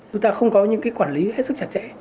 chúng ta không có những cái quản lý hết sức chặt chẽ